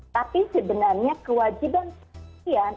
tapi sebenarnya kewajiban pembuktian